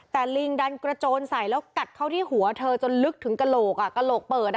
แต่ลิงดันกระโจนใส่แล้วกัดเข้าที่หัวเธอจนลึกถึงกระโหลกกระโหลกเปิด